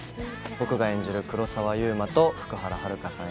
僕が演じる黒澤祐馬と福原遥さん